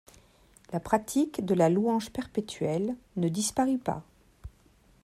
La pratique de la louange perpétuelle ne disparut pas.